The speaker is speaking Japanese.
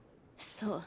そう。